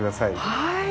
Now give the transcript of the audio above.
はい。